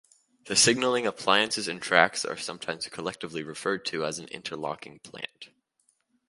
The signalling appliances and tracks are sometimes collectively referred to as an "interlocking plant".